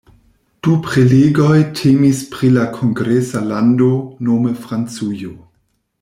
Du prelegoj temis pri la kongresa lando, nome Francujo.